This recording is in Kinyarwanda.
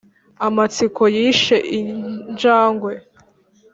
amatsiko yishe injangwe